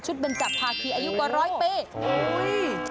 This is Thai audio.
ชุดเป็นจับภาคีอายุกว่าร้อยปี